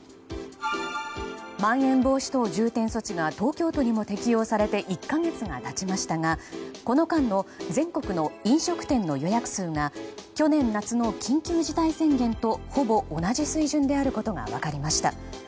まん延防止等重点措置が東京都にも適用されて１か月が経ちましたがこの間の全国の飲食店の予約数が去年夏の緊急事態宣言とほぼ同じ水準であることが分かりました。